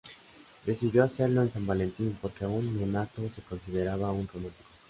Decidió hacerlo en San Valentín porque aún nonato se consideraba un romántico.